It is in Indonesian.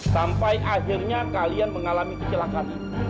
sampai akhirnya kalian mengalami kecelakaan ini